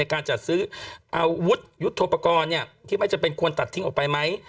ในการจัดซื้ออาวุฒิยุทธโทปกรณ์เนี่ยที่ไม่จะเป็นควรตัดทิ้งออกไปไหม